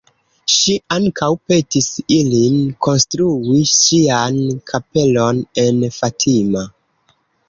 Ŝi ankaŭ petis ilin konstrui ŝian kapelon en Fatima.